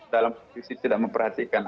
dalam sisi tidak memperhatikan